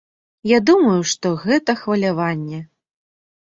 Я думаю, што гэта хваляванне.